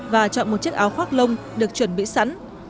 và chọn một chiếc áo khoác lông được chuẩn bị sẵn